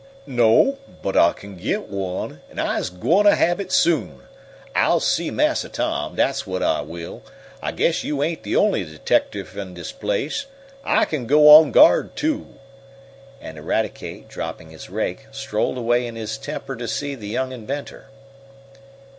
"No, but I kin git one, an' I's gwine t' hab it soon! I'll see Massa Tom, dat's whut I will. I guess yo' ain't de only deteckertiff on de place. I kin go on guard, too!" and Eradicate, dropping his rake, strolled away in his temper to seek the young inventor.